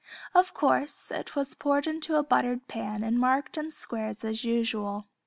Of course it was poured into a buttered pan and marked in squares as usual.